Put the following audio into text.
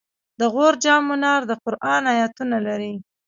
د غور جام منار د قرآن آیتونه لري